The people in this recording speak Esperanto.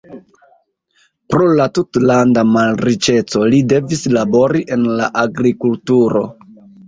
Pro la tutlanda malriĉeco li devis labori en la agrikulturo.